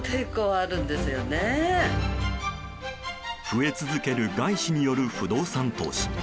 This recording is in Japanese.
増え続ける外資による不動産投資。